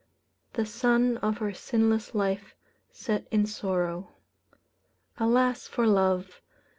The sun of her sinless life set in sorrow. "Alas for love!